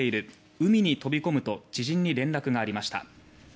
海に飛び込む」と知人に連絡がありました。